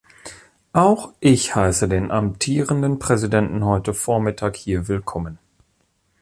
Auch ich heiße den amtierenden Präsidenten heute vormittag hier willkommen.